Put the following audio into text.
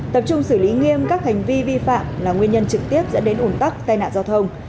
tập trung xử lý nghiêm các hành vi vi phạm là nguyên nhân trực tiếp dẫn đến ủn tắc tai nạn giao thông